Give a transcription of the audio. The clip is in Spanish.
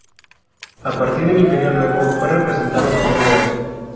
A partir del Imperio Nuevo, fue representado como un león.